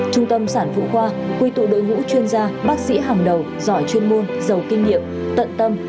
trung tâm sản phụ khoa quy tụ đội ngũ chuyên gia bác sĩ hàng đầu giỏi chuyên môn giàu kinh nghiệm tận tâm